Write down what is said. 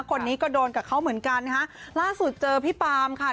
คนนี้ก็โดนกับเขาเหมือนกันนะฮะล่าสุดเจอพี่ปามค่ะ